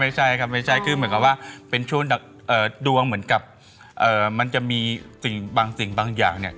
ไม่ใช่ครับไม่ใช่คือเหมือนกับว่าเป็นช่วงดวงเหมือนกับมันจะมีสิ่งบางสิ่งบางอย่างเนี่ย